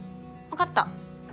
わかった。